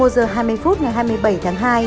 một mươi giờ hai mươi phút ngày hai mươi bảy tháng hai